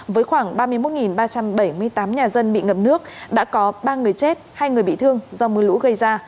với khoảng ba mươi một ba trăm bảy mươi tám nhà dân bị ngập nước đã có ba người chết hai người bị thương do mưa lũ gây ra